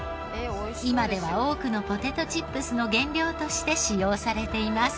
今では多くのポテトチップスの原料として使用されています。